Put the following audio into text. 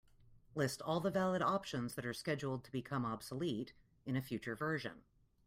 List all the valid options that are scheduled to become obsolete in a future version.